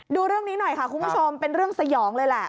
ดูเรื่องนี้หน่อยค่ะคุณผู้ชมเป็นเรื่องสยองเลยแหละ